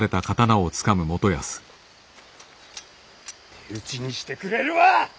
手討ちにしてくれるわ！